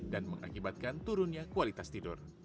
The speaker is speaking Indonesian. dan mengakibatkan turunnya kualitas tidur